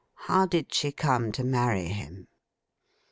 How did she come to marry him?